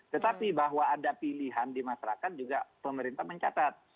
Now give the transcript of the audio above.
tetapi bahwa ada pilihan di masyarakat juga pemerintah mencatat